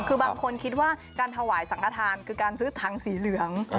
คือบางคนคิดว่าการถวายสังขทานคือการซื้อถังสีเหลือง